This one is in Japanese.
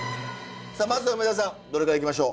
まずは梅沢さんどれからいきましょう。